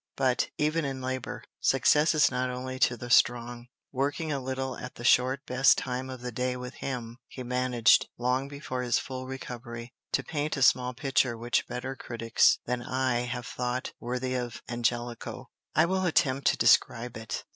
But, even in labor, success is not only to the strong. Working a little at the short best time of the day with him, he managed, long before his full recovery, to paint a small picture which better critics than I have thought worthy of Angelico, I will attempt to describe it.